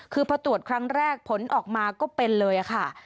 คือพอตรวจครั้งแรกผลออกมาก็เป็นเลยค่ะ